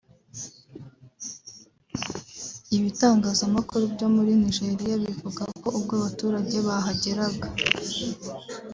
Ibitangazamakuru byo muri Nigeria bivuga ko ubwo abaturage bahageraga